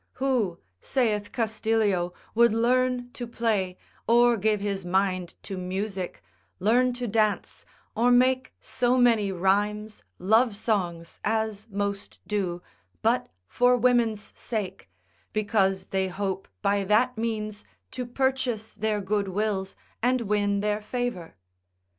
Who, saith Castilio, would learn to play, or give his mind to music, learn to dance, or make so many rhymes, love songs, as most do, but for women's sake, because they hope by that means to purchase their good wills, and win their favour?